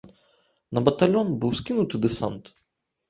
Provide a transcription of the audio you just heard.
На батальён быў скінуты дэсант.